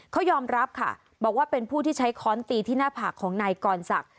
เขายอมรับค่ะบอกว่าเป็นผู้ที่ใช้ค้อนตีที่หน้าผากของนายกรศักดิ